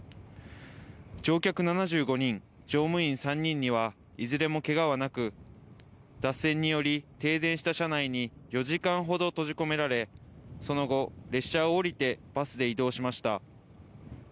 乗客７５人、乗務員３人には、いずれもけがはなく、脱線により停電した車内に４時間ほど閉じ込められ、その後、列車を降りてバスで移動しました。